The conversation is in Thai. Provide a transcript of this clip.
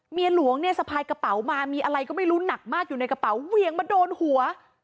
เมียหลวงเนี่ยสะพายกระเป๋ามามีอะไรก็ไม่รู้หนักมากอยู่ในกระเป๋าเวียงมาโดนหัว